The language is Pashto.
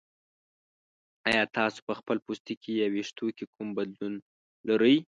ایا تاسو په خپل پوستکي یا ویښتو کې کوم بدلون لرئ؟